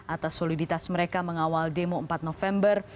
atas soliditas mereka mengawal demo empat november